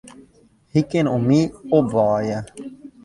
Hy kin om my opwaaie.